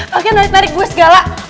pak gyan narik narik gue segala